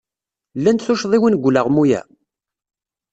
Llant tuccḍiwin deg ulaɣmu-a?